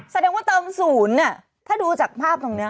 แสดงว่าเติมศูนย์เนี่ยถ้าดูจากภาพตรงนี้